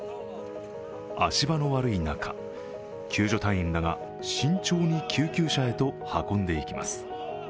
足場の悪い中、救助隊員らが慎重に救急車へと運んでいきます。